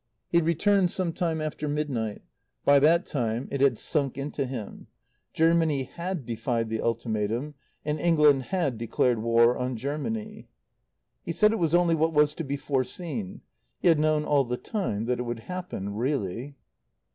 He returned some time after midnight. By that time it had sunk into him. Germany had defied the ultimatum and England had declared war on Germany. He said it was only what was to be foreseen. He had known all the time that it would happen really.